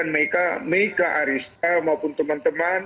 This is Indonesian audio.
meka arista maupun teman teman